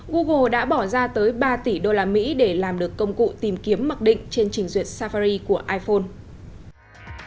google đã bỏ ra tới ba tỷ usd để làm được công cụ tìm kiếm mặc định trên trình duyệt safari của iphone